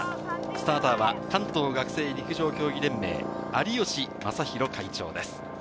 スターターは関東学生陸上競技連盟・有吉正博会長です。